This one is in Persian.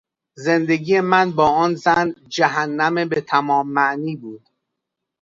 زندگی من با آن زن جهنم به تمام معنی بود.